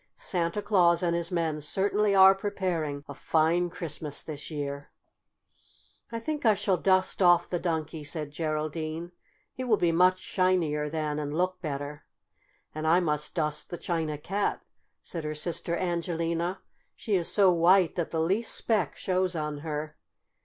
Santa Claus and his men certainly are preparing a fine Christmas this year." "I think I shall dust off the Donkey," said Geraldine. "He will be much shinier then, and look better." "And I must dust the China Cat," said her sister Angelina. "She is so white that the least speck shows on her.